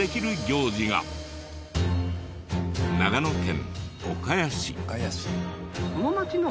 長野県岡谷市。